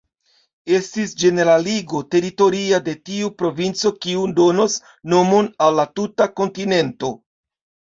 Estis ĝeneraligo teritoria de tiu provinco kio donos nomon al la tuta kontinento.